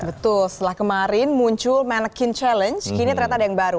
betul setelah kemarin muncul manekin challenge kini ternyata ada yang baru